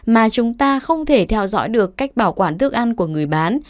mà chúng ta không thể theo dõi được cách bảo quản thức ăn của người bán